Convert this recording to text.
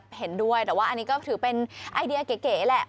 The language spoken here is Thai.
เห็นด้วยแต่ว่าอันนี้ก็ถือเป็นไอเดียเก๋แหละ